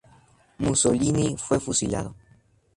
Mussolini fue fusilado.